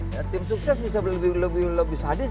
ya tim sukses bisa lebih sadis